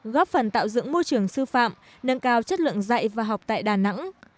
góp phần tạo dựng môi trường sư phạm nâng cao chất lượng dạy và học tại đà nẵng